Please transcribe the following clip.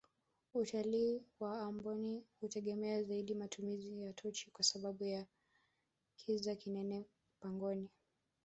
utalii wa amboni hutegemea zaidi matumizi ya tochi kwa sababu ya kiza kinene pangoni